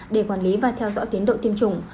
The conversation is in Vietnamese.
để quản lý và theo dõi tiến độ tiêm chủng